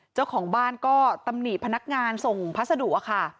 เจ้าของบ้านก็ตำหนิพนักงานส่งพัสดุอะค่ะ